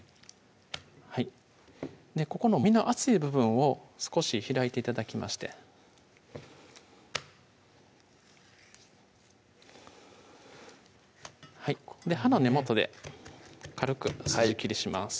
ここの身の厚い部分を少し開いて頂きまして刃の根元で軽く筋切りします